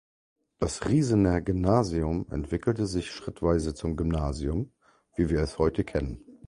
Das Riesener-Gymnasium entwickelte sich schrittweise zum Gymnasium, wie wir es heute kennen.